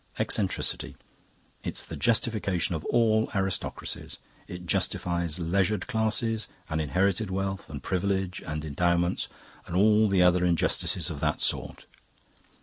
"Eccentricity...It's the justification of all aristocracies. It justifies leisured classes and inherited wealth and privilege and endowments and all the other injustices of that sort.